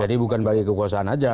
jadi bukan bagi kekuasaan aja